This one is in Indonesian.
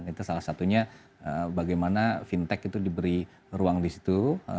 itu salah satunya bagaimana fintech itu diberi ruang di situ